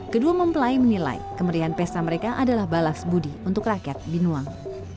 kedua mempelai menilai kemerian pesta mereka adalah balas budi untuk rakyat binuang